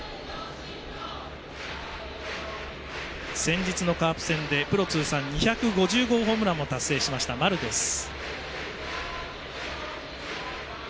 先日のカープ戦でプロ通算２５０号ホームランを達成した、丸です。